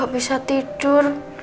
gak bisa tidur